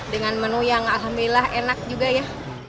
dengan menu yang alhamdulillah enak juga ya